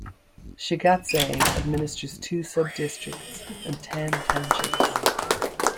Shigatse administers two subdistricts and ten townships.